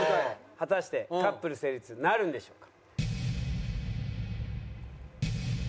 果たしてカップル成立なるんでしょうか？